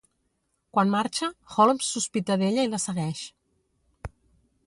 Quan marxa, Holmes sospita d'ella i la segueix.